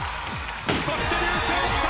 そして流星きた！